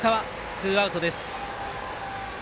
ツーアウトです。